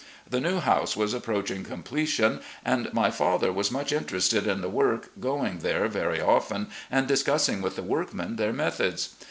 'The new house was approaching completion, and my father was much interested in the work, going there very often and discussing with the workmen their methods.